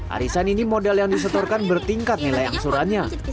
arisan ini modal yang disetorkan bertingkat nilai angsurannya